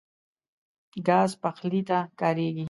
ګاز پخلي ته کارېږي.